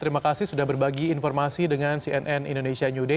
terima kasih sudah berbagi informasi dengan cnn indonesia new day